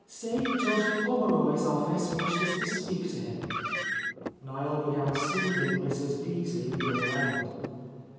Say Judge Pommeroy's of fice wishes to speak to him." Niel began soothing Mrs. Beasley at the other end.